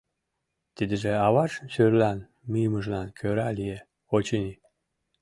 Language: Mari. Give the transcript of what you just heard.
Тидыже аважын шӧрлан мийымыжлан кӧра лие, очыни.